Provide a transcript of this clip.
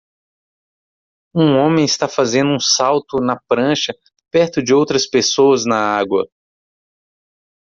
Um homem está fazendo um salto na prancha perto de outras pessoas na água.